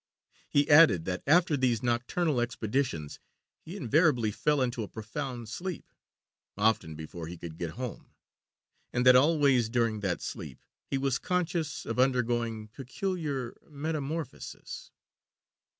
He added, that after these nocturnal expeditions he invariably fell into a profound sleep, often before he could get home, and that always, during that sleep, he was conscious of undergoing peculiar metamorphosis.